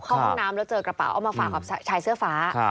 ห้องน้ำแล้วเจอกระเป๋าเอามาฝากกับชายเสื้อฟ้า